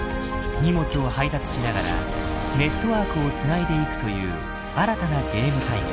荷物を配達しながらネットワークを繋いでいくという新たなゲーム体験。